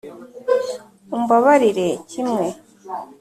umbabarire kimwe.